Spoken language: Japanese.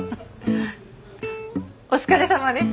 お疲れさまです。